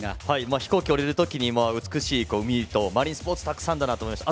飛行機を降りるときに美しい海と、マリンスポーツたくさんだなと思いました。